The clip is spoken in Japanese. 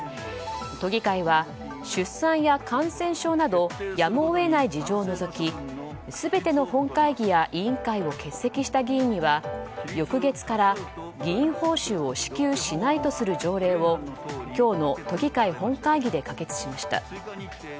都議会は出産や感染症などやむを得ない事情を除き全ての本会議や委員会を欠席した議員には翌月から議員報酬を支給しないとする条例を今日の都議会本会議で可決しました。